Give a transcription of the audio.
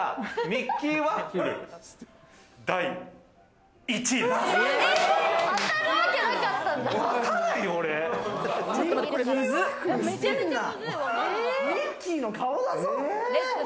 ミッキーの顔だぞ。